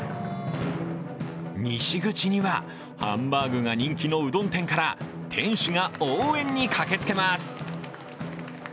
西口には、ハンバーグが人気のうどん店から店主が応援に駆けつけます。